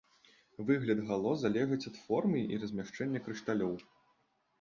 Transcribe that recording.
Выгляд гало залежыць ад формы і размяшчэння крышталёў.